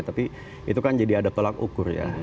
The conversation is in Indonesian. tapi itu kan jadi ada tolak ukur ya